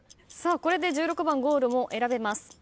これで１６番ゴールも選べます。